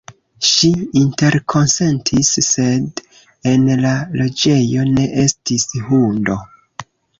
Ŝi interkonsentis, sed en la loĝejo ne estis hundo.